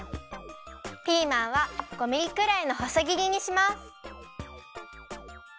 ピーマンは５ミリくらいのほそぎりにします。